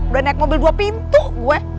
udah naik mobil dua pintu gue